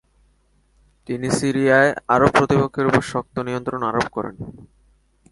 তিনি সিরিয়ায় আরব প্রতিপক্ষের উপর শক্ত নিয়ন্ত্রণ আরোপ করেন।